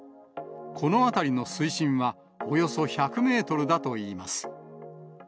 この辺りの水深はおよそ１００メートルだといいます。